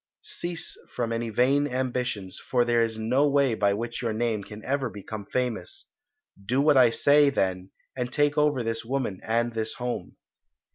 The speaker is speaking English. Cease from any vain ambitions, for there is no way by which your name can ever become famous. Do what I say, then, and take over this woman and this home."